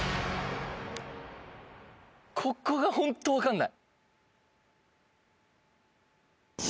ここがホント分かんない。